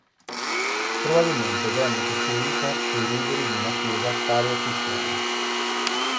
Probabilmente venne costruita sui ruderi di una chiesa paleocristiana.